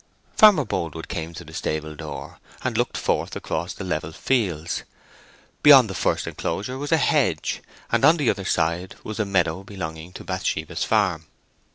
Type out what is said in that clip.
Farmer Boldwood came to the stable door and looked forth across the level fields. Beyond the first enclosure was a hedge, and on the other side of this a meadow belonging to Bathsheba's farm.